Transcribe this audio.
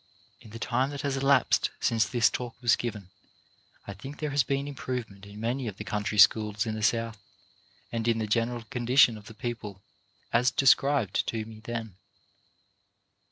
[In the time that has elapsed since this talk was given, I think there has been improvement in many of the country schools in the South, and in the general condition of the people as described to me then.